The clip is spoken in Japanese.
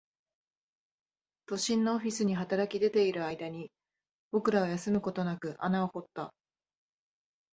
都心のオフィスに働き出ている間に、僕らは休むことなく穴を掘った